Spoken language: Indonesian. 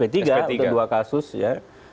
untuk dua kasus ya